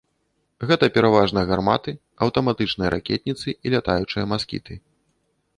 Гэта пераважна гарматы, аўтаматычныя ракетніцы і лятаючыя маскіты.